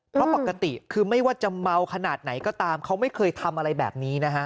เพราะปกติคือไม่ว่าจะเมาขนาดไหนก็ตามเขาไม่เคยทำอะไรแบบนี้นะฮะ